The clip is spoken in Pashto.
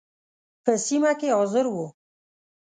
په سیمه کې حاضر وو.